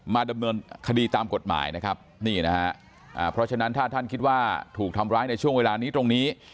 ดำเนินคดีตามกฎหมายนะครับนี่นะฮะเพราะฉะนั้นถ้าท่านคิดว่าถูกทำร้ายในช่วงเวลานี้ตรงนี้